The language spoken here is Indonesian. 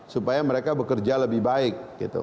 supaya mereka bekerja lebih baik